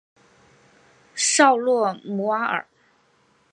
绍洛姆瓦尔。